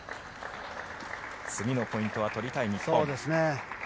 次のポイントは取りたい日本。